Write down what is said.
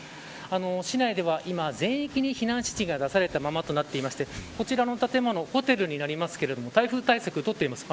市内では今、全域に避難指示が出されたままとなっていましてこちらの建物ホテルになりますが台風対策をとっています。